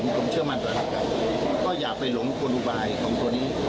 ผมดูถึงเชื่อมั่นแบบนั้นสิครับก็อย่าไปหลงควรุบายของตัวนี้